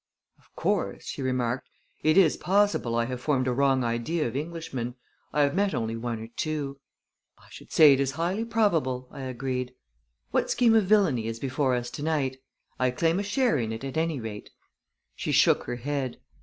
"Of course," she remarked, "it is possible I have formed a wrong idea of Englishmen. I have met only one or two." "I should say it is highly probable," I agreed. "What scheme of villainy is before us to night? I claim a share in it at any rate." She shook her head.